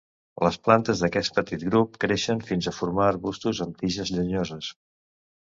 Les plantes d'aquest petit grup creixen fins a formar arbustos amb tiges llenyoses.